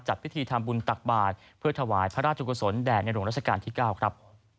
พิธีทำบุญตักบาทเพื่อถวายพระราชกุศลแด่ในหลวงราชการที่๙ครับ